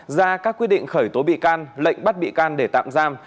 ra các quyết định khởi tố bị can lệnh bắt bị can để tạm giam